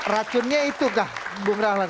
racunnya itukah bung rahlan